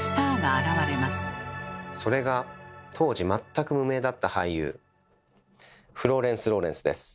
それが当時全く無名だった俳優フローレンス・ローレンスです。